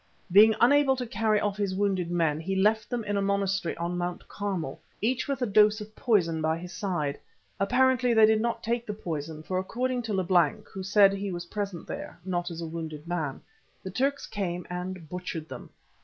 Being unable to carry off his wounded men, he left them in a monastery on Mount Carmel, each with a dose of poison by his side. Apparently they did not take the poison, for according to Leblanc, who said he was present there (not as a wounded man), the Turks came and butchered them.